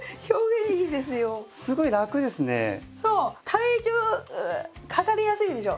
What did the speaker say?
体重かかりやすいでしょ。